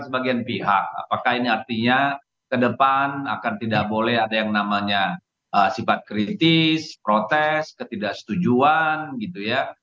sebagian pihak apakah ini artinya ke depan akan tidak boleh ada yang namanya sifat kritis protes ketidaksetujuan gitu ya